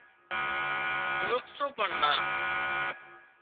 اوۯکتو پڻ نا